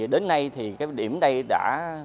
đến nay điểm này đã